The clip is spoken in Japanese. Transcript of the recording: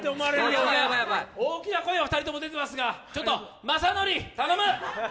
大きな声は２人とも出てますが、ちょっと頼む。